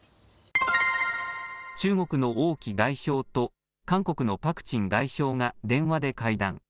中国の王毅外相と韓国のパク・チン外相が電話で会談。